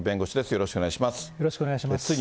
よろしくお願いします。